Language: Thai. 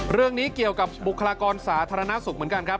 เรื่องนี้เกี่ยวกับบุคลากรสาธารณสุขเหมือนกันครับ